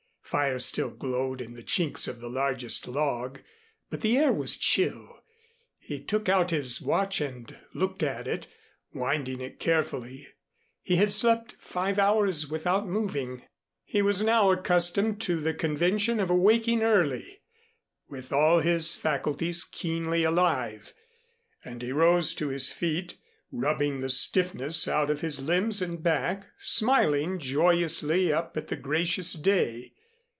Fire still glowed in the chinks of the largest log, but the air was chill. He took out his watch and looked at it, winding it carefully. He had slept five hours, without moving. He was now accustomed to the convention of awaking early, with all his faculties keenly alive; and he rose to his feet, rubbing the stiffness out of his limbs and back, smiling joyously up at the gracious day.